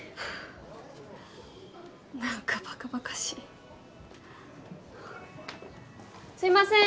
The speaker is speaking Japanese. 何かバカバカしいすいません